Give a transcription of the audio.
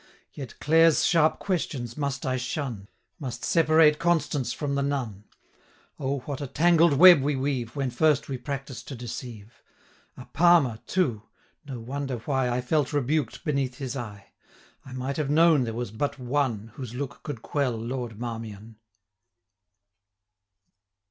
Yet Clare's sharp questions must I shun; 330 Must separate Constance from the Nun O, what a tangled web we weave, When first we practise to deceive! A Palmer too! no wonder why I felt rebuked beneath his eye: 535 I might have known there was but one, Whose look could quell Lord Marmion.'